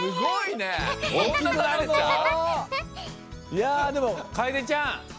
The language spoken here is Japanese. いやでもかえでちゃん。